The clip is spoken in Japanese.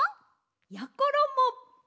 やころも！